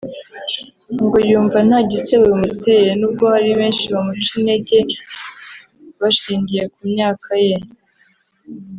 ngo yumva nta gisebo bimuteye n’ubwo hari benshi bamuca integer bashingiye ku myaka ye